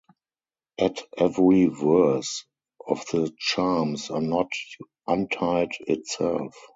At every verse of the charms a knot untied itself.